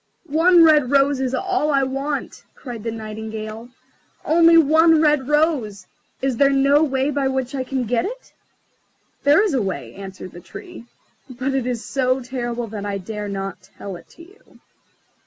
"One red rose is all I want," cried the Nightingale, "only one red rose! Is there no way by which I can get it?" "There is a way," answered the Tree; "but it is so terrible that I dare not tell it to you."